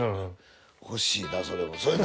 欲しいなそれ。